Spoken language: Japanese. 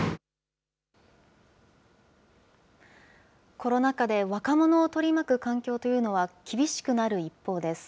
コロナ禍で若者を取り巻く環境というのは厳しくなる一方です。